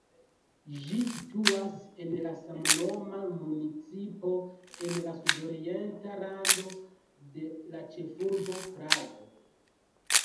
Ĝi situas en la samnoma municipo en la sudorienta rando de la ĉefurbo Prago.